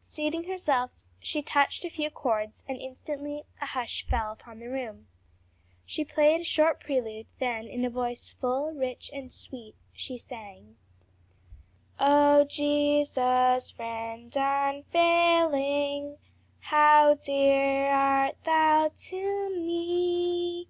Seating herself, she touched a few chords, and instantly a hush fell upon the room. She played a short prelude; then, in a voice full, rich and sweet, sang "'O Jesus! Friend unfailing, How dear art thou to me!